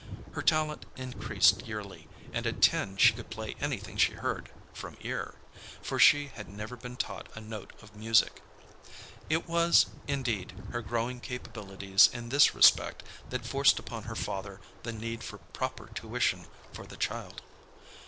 Her talent increased yearly, and at ten she could play anything she heard—from ear, for she had never been taught a note of music. It was, indeed, her growing capabilities in this respect that forced upon her father the need for proper tuition for the child.